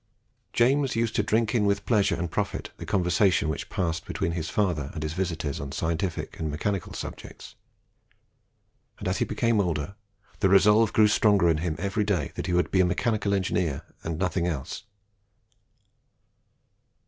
James used to drink in with pleasure and profit the conversation which passed between his father and his visitors on scientific and mechanical subjects; and as he became older, the resolve grew stronger in him every day that he would be a mechanical engineer, and nothing else.